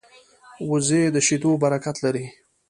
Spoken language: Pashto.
وزې د شیدو برکت لري